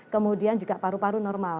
kemudian juga paru paru normal